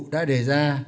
đã đề ra